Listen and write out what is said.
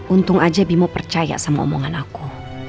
untung aja bimo percaya sama omongan aku